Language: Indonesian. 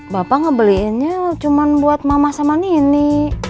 bapak ngebeliinnya cuma buat mama sama nini